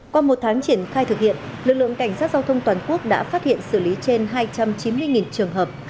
qua một tháng triển khai thực hiện lực lượng cảnh sát giao thông toàn quốc đã phát hiện xử lý trên hai trăm chín mươi trường hợp